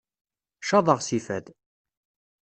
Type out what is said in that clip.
Caḍeɣ si fad.